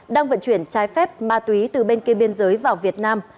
đang vận chuyển trái phép ma túy từ bên kia biên giới vào việt nam